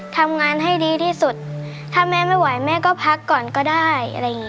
ถ้าแม่ไม่ไหวแม่ก็พักก่อนก็ได้